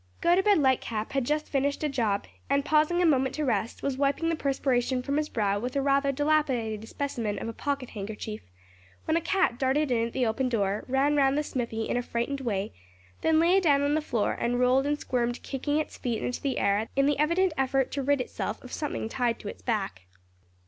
Gotobed Lightcap had just finished a job, and pausing a moment to rest, was wiping the perspiration from his brow with a rather dilapidated specimen of pocket handkerchief, when a cat darted in at the open door, ran round the smithy in a frightened way, then lay down on the floor and rolled and squirmed kicking its feet in the air in the evident effort to rid itself of something tied to its back.